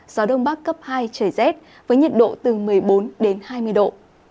gió đông bắc cấp hai trời rét với nhiệt độ từ một mươi bốn đến hai mươi độ